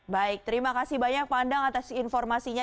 baik terima kasih banyak pandang atas informasinya